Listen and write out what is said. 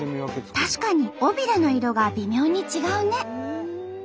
確かに尾びれの色が微妙に違うね。